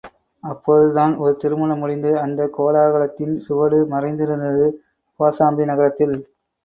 அப்போதுதான் ஒரு திருமணம் முடிந்து அந்தக் கோலாகலத்தின் சுவடு மறைந்திருந்தது கோசாம்பி நகரத்தில்.